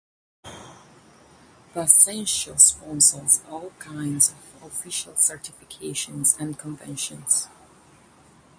The Zensho sponsors all kinds of official certifications and conventions.